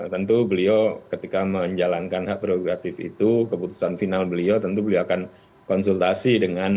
tentu beliau ketika menjalankan hak prerogatif itu keputusan final beliau tentu beliau akan konsultasi dengan